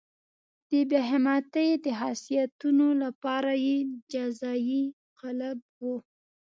د بې همتۍ د خاصیتونو لپاره یې جزایي قالب وو.